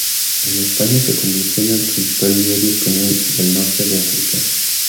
El "España" se convirtió en el principal diario español del norte de África.